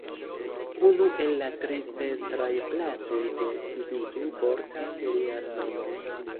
Unu el la tri centraj placoj de Sibiu portas lian nomon.